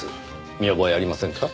見覚えありませんか？